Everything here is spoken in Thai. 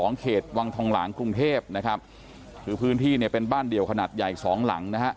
เขตวังทองหลางกรุงเทพนะครับคือพื้นที่เนี่ยเป็นบ้านเดี่ยวขนาดใหญ่สองหลังนะฮะ